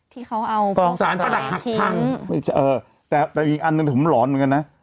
ที่เขาเอากองสารประดักหักพังไม่เจอแต่แต่อีกอันหนึ่งผมหลอนเหมือนกันนะ